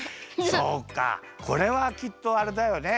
そうかそれはきっとあれだよね